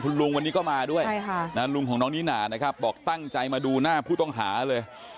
ลุงวันนี้ก็มาด้วยลุงของน้องนิน่านะครับบอกตั้งใจมาดูหน้าผู้ต้องหาเลย